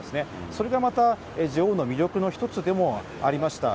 それがまた女王の魅力の一つでもありました。